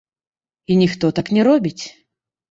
І ніхто так не робіць.